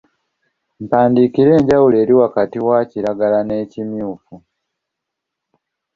Mpandiikira enjawulo eri wakati wa kiragala ne kimyufu.